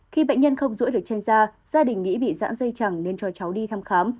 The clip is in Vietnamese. khi bệnh nhân không rũi được trên da gia đình nghĩ bị giãn dây chẳng nên cho cháu đi thăm khám